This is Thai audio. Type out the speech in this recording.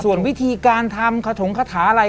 ส่วนวิธีการทำขถงคาถาอะไร